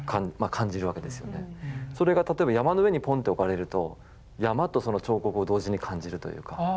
それが例えば山の上にポンて置かれると山とその彫刻を同時に感じるというか。